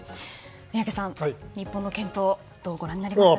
宮家さん、日本の健闘はどうご覧になりましたか。